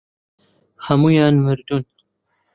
هەموویان مردوون.